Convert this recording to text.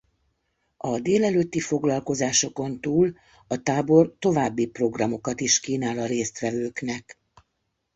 A délelőtti foglalkozásokon túl a tábor további programokat is kínál a résztvevőknek.